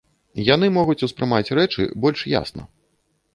Яны могуць успрымаць рэчы больш ясна.